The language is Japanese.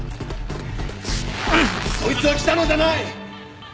そいつは喜多野じゃない！